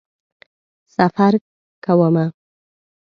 سفر کومه